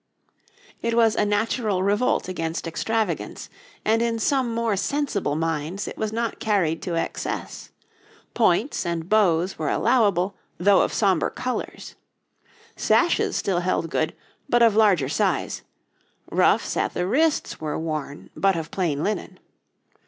It was a natural revolt against extravagance, and in some more sensible minds it was not carried to excess; points and bows were allowable, though of sombre colours. Sashes still held good, but of larger size, ruffs at the wrists were worn, but of plain linen.